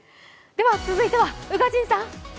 続いては、宇賀神さん。